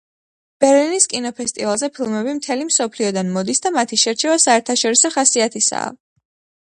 ბერლინის კინოფესტივალზე ფილმები მთელი მსოფლიოდან მოდის და მათი შერჩევა საერთაშორისო ხასიათისაა.